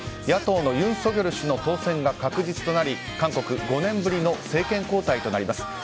野党のユン・ソギョル氏の当選が確実となり韓国５年ぶりの政権交代となります。